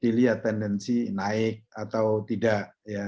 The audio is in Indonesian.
dilihat tendensi naik atau tidak